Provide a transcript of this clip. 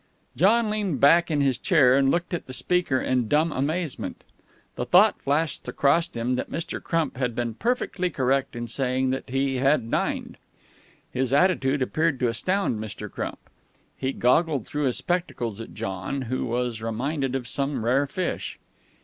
John leaned back in his chair, and looked at the speaker in dumb amazement. The thought flashed across him that Mr. Crump had been perfectly correct in saying that he had dined. His attitude appeared to astound Mr. Crump. He goggled through his spectacles at John, who was reminded of some rare fish.